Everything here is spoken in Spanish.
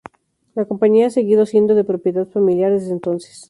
La compañía ha seguido siendo de propiedad familiar desde entonces.